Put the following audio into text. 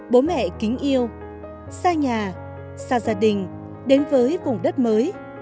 bố mẹ kính yêu xa nhà xa gia đình đến với vùng đất mới